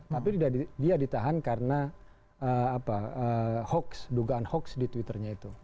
tapi dia ditahan karena hoax dugaan hoax di twitternya itu